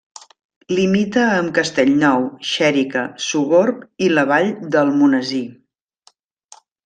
Limita amb Castellnou, Xèrica, Sogorb i La Vall d'Almonesir.